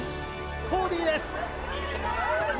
コーディーです。